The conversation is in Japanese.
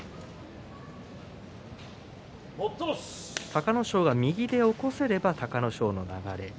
隆の勝が右で起こせれば隆の勝の流れ。